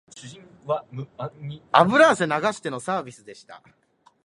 油汗流してのサービスでした